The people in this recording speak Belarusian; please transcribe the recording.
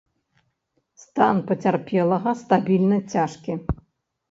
Стан пацярпелага стабільна цяжкі.